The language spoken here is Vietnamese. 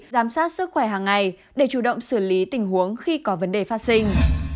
giám sát sức khỏe hàng ngày để chủ động xử lý tình huống khi có vấn đề phát sinh